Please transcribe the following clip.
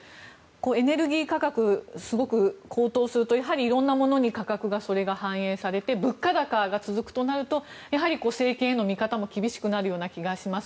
エネルギー価格がすごく高騰するといろんなものに価格が反映されて物価高が続くとなるとやはり政権への見方も厳しくなるような気がします。